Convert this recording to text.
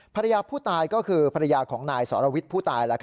ภรรยาผู้ตายก็คือภรรยาของนายสรวิทย์ผู้ตาย